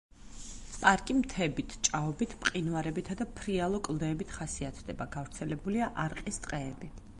პარკი მთებით, ჭაობით, მყინვარებითა და ფრიალო კლდეებით ხასიათდება; გავრცელებულია არყის ტყეები.